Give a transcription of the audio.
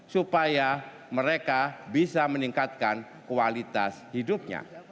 supaya mereka bisa meningkatkan kualitas hidupnya